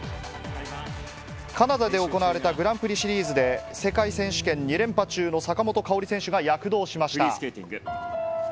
カナダで行われたグランプリシリーズで、世界選手権２連覇中の坂本花織選手が、躍動しました。